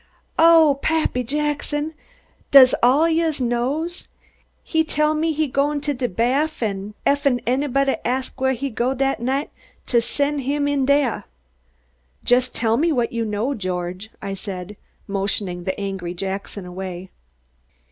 "Oh! Pappy Jackson, da's all Ah knows. He tell me he go to de bah an' ef'n anybuddy ask whah he go dat night to sen' em in dah." "Just tell me what you know, George!" I said, motioning the angry Jackson away.